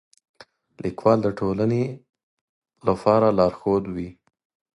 لیکوال د ټولنې لپاره لارښود وي.